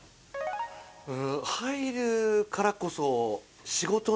うん入るからこそ。